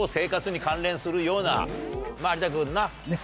有田君なっ？